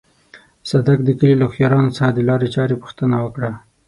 صدک د کلي له هوښيارانو څخه د لارې چارې پوښتنه وکړه.